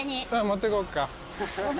持っていこうか。